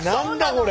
これ。